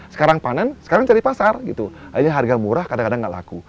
sekarang panen sekarang cari pasar akhirnya harga murah kadang kadang nggak laku